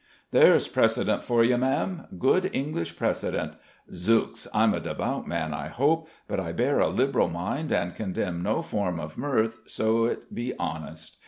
_ There's precedent for ye, Ma'am good English precedent. Zooks! I'm a devout man, I hope; but I bear a liberal mind and condemn no form of mirth, so it be honest.